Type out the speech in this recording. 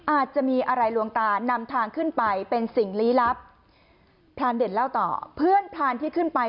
อาจจะมีอะไรลวงตานำทางขึ้นไปเป็นสิ่งลี้ลับพรานเด่นเล่าต่อเพื่อนพรานที่ขึ้นไป